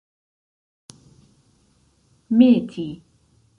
meti